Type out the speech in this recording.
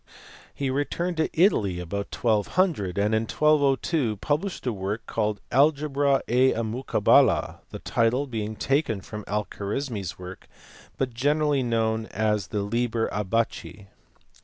He returned to Italy about 1200, and in 1202 published a work called Algebra et almuchabala (the title being taken from Alkarismi s work) but generally known as the Liber Abaci.